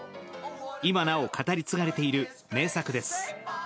今なお語り継がれている名作です。